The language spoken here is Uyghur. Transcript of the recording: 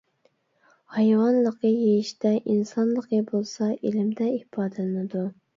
ھايۋانلىقى يېيىشتە، ئىنسانلىقى بولسا ئىلىمدە ئىپادىلىنىدۇ.